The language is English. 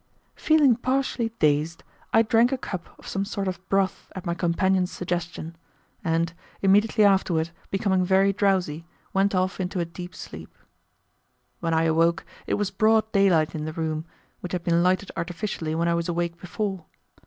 Feeling partially dazed, I drank a cup of some sort of broth at my companion's suggestion, and, immediately afterward becoming very drowsy, went off into a deep sleep. When I awoke it was broad daylight in the room, which had been lighted artificially when I was awake before.